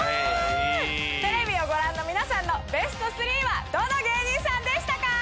テレビをご覧の皆さんのベスト３はどの芸人さんでしたか？